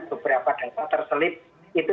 beberapa data terselip itu